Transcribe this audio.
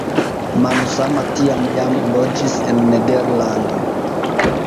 Manusama tiam jam loĝis en Nederlando.